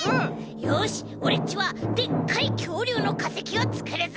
よしオレっちはでっかいきょうりゅうのかせきをつくるぞ。